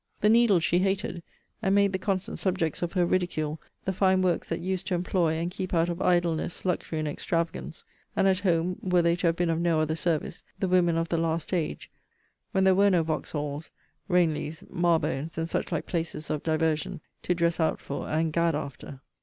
The needle she hated: and made the constant subjects of her ridicule the fine works that used to employ, and keep out of idleness, luxury, and extravagance, and at home (were they to have been of no other service) the women of the last age, when there were no Vauxhalls, Ranelaghs, Marybones, and such like places of diversion, to dress out for, and gad after.